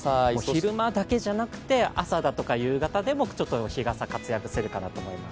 昼間だけじゃなくて朝や夕方でもちょっと日傘、活躍するかなと思います。